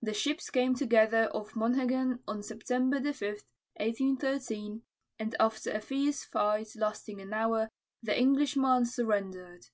The ships came together off Monhegan on September 5, 1813, and after a fierce fight lasting an hour, the Englishman surrendered.